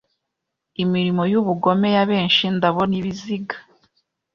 imirimo yubugome Ya benshi ndabona ibiziga